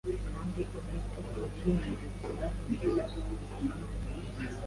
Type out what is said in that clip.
Kandi uhite uhindukirira inzira yikamyo